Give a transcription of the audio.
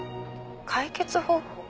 解決方法？